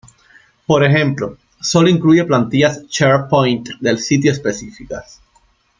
Por ejemplo, sólo incluye plantillas SharePoint de sitio específicas.